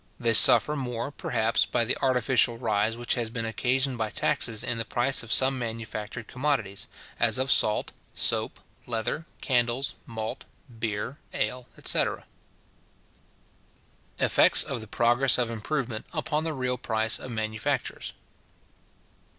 They suffer more, perhaps, by the artificial rise which has been occasioned by taxes in the price of some manufactured commodities, as of salt, soap, leather, candles, malt, beer, ale, etc. _Effects of the Progress of Improvement upon the real Price of Manufactures.